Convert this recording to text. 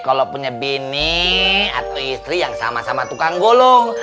kalau punya bini atau istri yang sama sama tukang golong